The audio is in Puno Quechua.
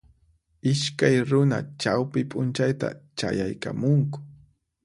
Iskay runa chawpi p'unchayta chayaykamunku